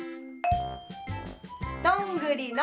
どんぐりの。